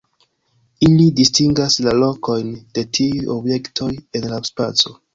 Ili distingas la lokojn de tiuj objektoj en la spaco.